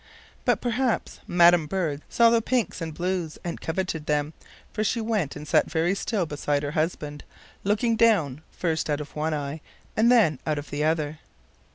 But perhaps madam bird saw the pinks and blues and coveted them, for she went and sat very still, beside her husband, looking down, first out of one eye and then out of the other.